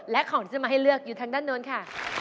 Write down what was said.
และของที่จะมาให้เลือกอยู่ทางด้านโน้นค่ะ